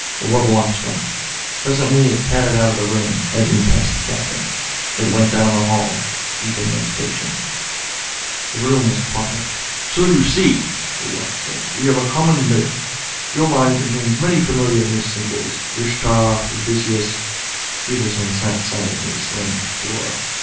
The wub watched him. Presently it padded out of the room, edging past the Captain. It went down the hall, deep in meditation. The room was quiet. "So you see," the wub said, "we have a common myth. Your mind contains many familiar myth symbols. Ishtar, Odysseus " Peterson sat silently, staring at the floor.